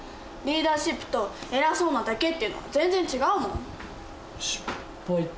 リーダーシップと偉そうなだけっていうのは全然違うもん。